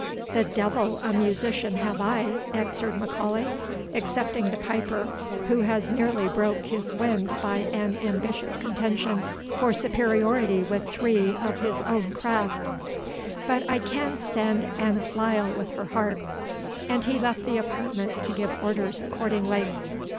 "The devil a musician have I," answered M'Aulay, "excepting the piper, who has nearly broke his wind by an ambitious contention for superiority with three of his own craft; but I can send Annot Lyle and her harp." And he left the apartment to give orders accordingly.